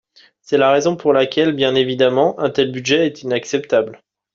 C’est la raison pour laquelle, bien évidemment, un tel budget est inacceptable.